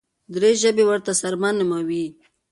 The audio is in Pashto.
دري ژبي ورته سرمه نوموي.